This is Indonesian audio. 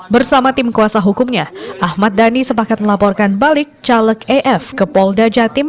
bersama tim kuasa hukumnya ahmad dhani sepakat melaporkan balik caleg ef ke polda jatim